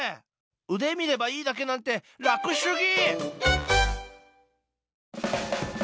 うで見ればいいだけなんて楽すぎ！